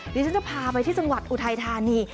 ดิฉันจะพาไปที่จังหวัดอุทัยธานี